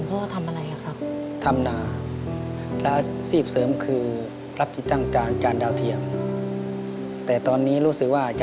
พ่อผมสวัสดีลูก